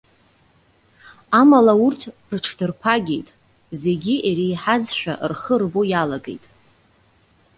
Амала урҭ рыҽдырԥагьеит. Зегьы иреиҳазшәа рхы рбо иалагеит.